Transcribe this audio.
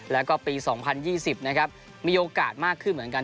แล้วก็ปี๒๐๒๐นะครับมีโอกาสมากขึ้นเหมือนกัน